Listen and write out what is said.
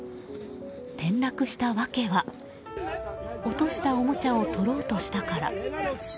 転落した訳は落としたおもちゃを取ろうとしたから。